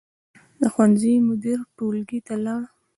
د ښوونځي مدیر ټولګي ته لاړ.